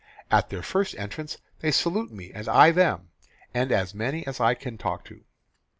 At their first entrance they salute me, and I them, and as many as I can I talk to."